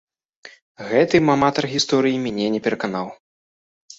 Гэтым аматар гісторыі мяне не пераканаў.